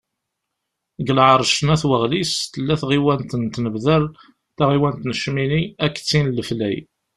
Deg lεerc n At Waɣlis, tella tɣiwant n Tinebdar, taɣiwant n Cmini, akked tin n Leflay.